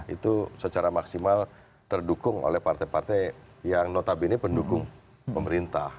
itu secara maksimal terdukung oleh partai partai yang notabene pendukung pemerintah